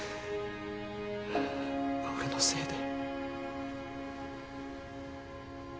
俺のせいで。